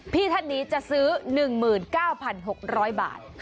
พี่ท่านนี้จะซื้อ๑๙๖๐๐บาท